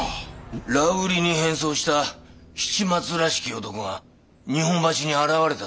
羅宇売りに変装した七松らしき男が日本橋に現れたそうでございます。